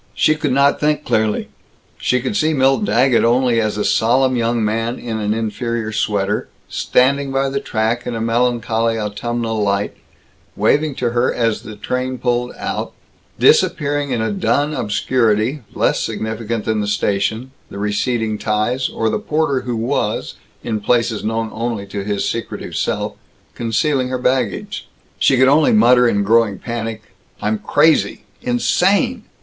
She could not think clearly. She could see Milt Daggett only as a solemn young man in an inferior sweater, standing by the track in a melancholy autumnal light, waving to her as the train pulled out, disappearing in a dun obscurity, less significant than the station, the receding ties, or the porter who was, in places known only to his secretive self, concealing her baggage. She could only mutter in growing panic, "I'm crazy. In sane!